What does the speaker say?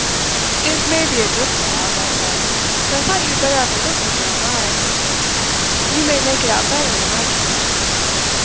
"'It may be a drift log,' I said; 'but I thought you had better have a look with your own eyes. You may make it out better than I can.'